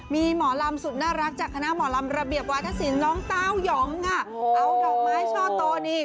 มีหมอลำสุดน่ารักจากคณะหมอลำระเบียบวาธศิลป์น้องเต้ายองค่ะเอาดอกไม้ช่อโตนี่